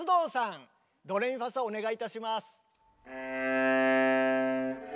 ドレミファソお願いいたします。